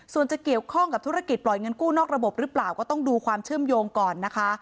ส่วนจะเกี่ยวข้องกับธุรกิจปล่อยเงินกู้นอกระบบหรือเปล่าก็ต้องดูความเชื่อมโยงก่อนนะคะ